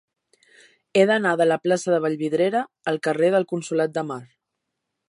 He d'anar de la plaça de Vallvidrera al carrer del Consolat de Mar.